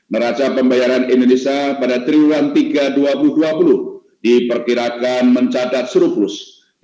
neraca pembayaran indonesia pada triwulan tiga dua ribu dua puluh diperkirakan mencatat surplus